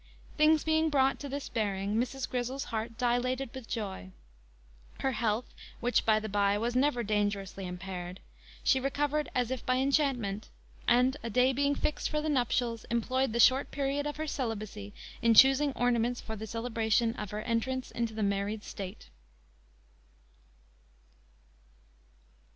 Things being brought to this bearing, Mrs. Grizzle's heart dilated with joy; her health, which, by the bye, was never dangerously impaired, she recovered as if by enchantment; and, a day being fixed for the nuptials, employed the short period of her celibacy in choosing ornaments for the celebration of her entrance into the married state.